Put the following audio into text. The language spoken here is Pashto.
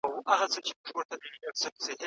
که غصه کوونکی له پامه وغورځول سي څه کيږي؟